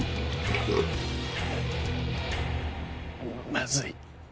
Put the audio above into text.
まずい。